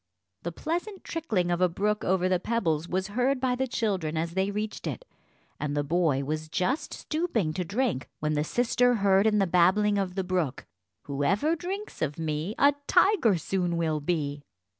The pleasant trickling of a brook over the pebbles was heard by the children as they reached it, and the boy was just stooping to drink, when the sister heard in the babbling of the brook: "Whoever drinks of me, a tiger soon will be."